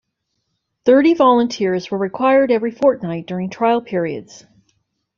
Thirty volunteers were required every fortnight during trial periods.